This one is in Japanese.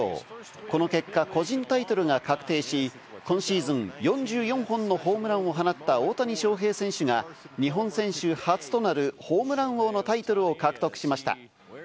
この結果、個人タイトルが確定し、今シーズン４４本のホームランを放った大谷翔平選手が日本選手初となるホームラン王のタイトルを獲得しました。